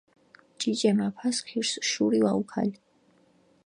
ჭიჭე მაფასქირს შური ვაუქალჷ.